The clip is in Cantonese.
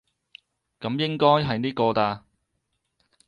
噉應該係呢個喇